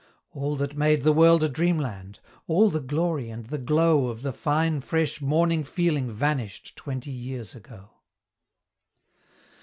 All that made the world a dreamland all the glory and the glow Of the fine, fresh, morning feeling vanished twenty years ago.